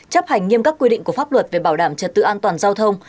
chấp hành nghiêm các quy định của pháp luật về bảo đảm trật tự an toàn giao thông